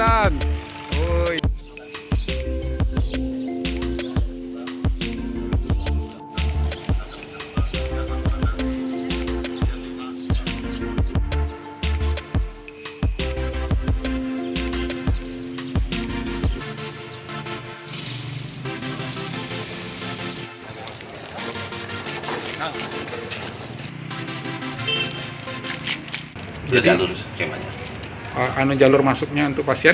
jadi jalur masuknya untuk pasien